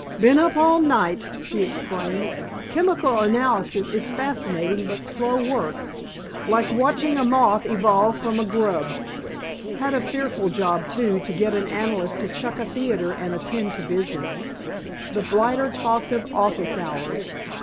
"Been up all night," he explained. "Chemical analysis is fascinating but slow work—like watching a moth evolve from a grub. Had a fearful job, too, to get an analyst to chuck a theater and attend to business. The blighter talked of office hours.